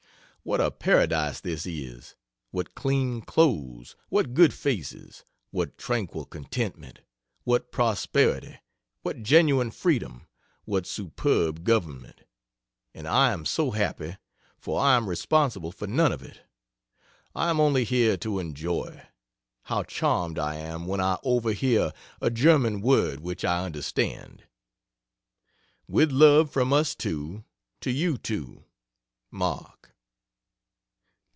What a paradise this is! What clean clothes, what good faces, what tranquil contentment, what prosperity, what genuine freedom, what superb government. And I am so happy, for I am responsible for none of it. I am only here to enjoy. How charmed I am when I overhear a German word which I understand. With love from us 2 to you 2. MARK.